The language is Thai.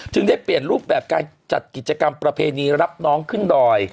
ได้เปลี่ยนรูปแบบการจัดกิจกรรมประเพณีรับน้องขึ้นดอย